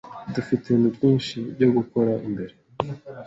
Dufite ibintu byinshi byo gukora mbere.